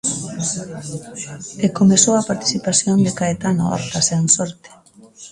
E comezou a participación de Caetano Horta, sen sorte.